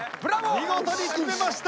見事に決めました！